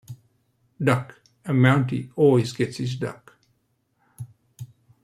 Duck," "A Mountie Always Gets His Duck!